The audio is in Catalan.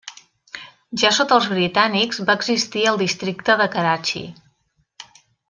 Ja sota els britànics va existir el districte de Karachi.